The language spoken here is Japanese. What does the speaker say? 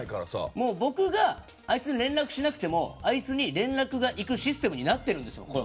もう、僕があいつに連絡しなくても、あいつに連絡がいくシステムになってるんですよ。